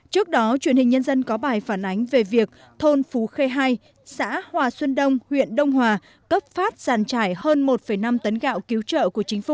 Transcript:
trước đó truyền hình nhân dân có bài phản ánh về việc thôn phú khê hai xã hòa xuân đông huyện đông hòa cấp phát giàn trải hơn một năm tấn gạo cứu trợ của chính phủ